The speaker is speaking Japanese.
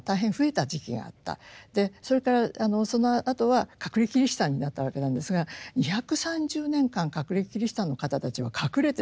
それからそのあとは隠れキリシタンになったわけなんですが２３０年間隠れキリシタンの方たちは隠れてたんですね。